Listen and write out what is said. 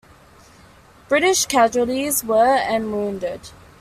British casualties were and wounded.